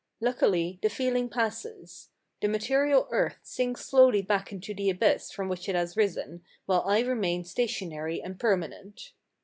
Luckily the feeling passes. The ma terial earth sinks slowly back into the abyss from which it has risen, while I remain stationary and per manent."